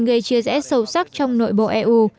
gây chia rẽ sâu sắc trong nội bộ eu